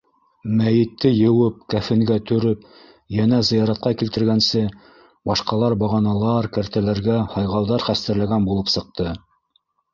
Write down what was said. Мәйетте йыуып, кәфенгә төрөп, йәнә зыяратҡа килтергәнсе башҡалар бағаналар, кәртәләргә һайғауҙар хәстәрләгән булып сыҡты.